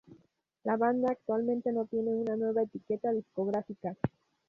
La banda actualmente no tiene una nueva etiqueta discográfica.